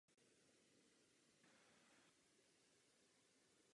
Vystudoval teologii na univerzitě ve Vídni.